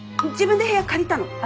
自分で部屋借りたの？